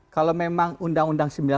kalau memang undang undang sembilan puluh